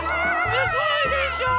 すごいでしょう。